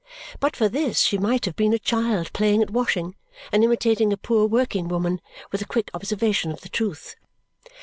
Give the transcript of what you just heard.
But for this, she might have been a child playing at washing and imitating a poor working woman with a quick observation of the truth.